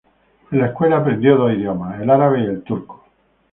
En la escuela aprendió dos idiomas: el árabe y el turco.